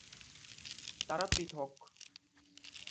তারা পৃথক।